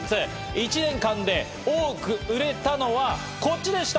１年間で多く売れたのはこっちでした。